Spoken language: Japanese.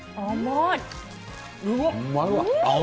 甘い！